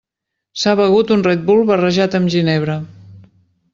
S'ha begut un Red Bull barrejat amb ginebra.